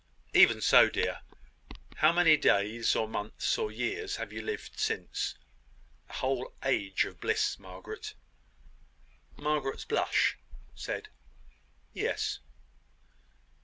"Even so, dear. How many days, or months, or years, have you lived since? A whole age of bliss, Margaret!" Margaret's blush said "Yes."